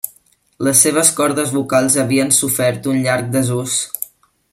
Les seves cordes vocals havien sofert un llarg desús.